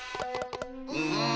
うん！